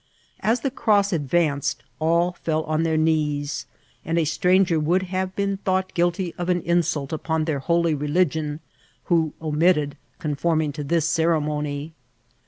As the cross advanced all fell on their knees, and a stranger would have been thought guilty of an insult upon their holy religion who omitted conforming to this ceremony.